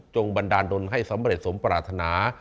โจงบันดานดนให้สำเร็จสมปรัฐาณา